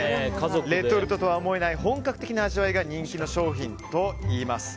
レトルトとは思えない本格的な味わいが人気の商品といいます。